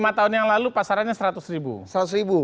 kalau lima tahun yang lalu pasarannya seratus ribu